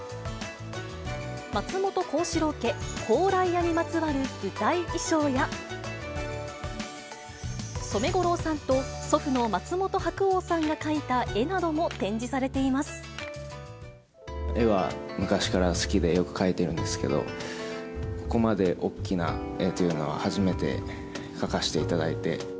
松本幸四郎家、高麗屋にまつわる舞台衣装や、染五郎さんと祖父の松本白鸚さんが描いた絵なども展示されていま絵は昔から好きでよく描いてるんですけど、ここまで大きな絵というのは初めて描かせていただいて。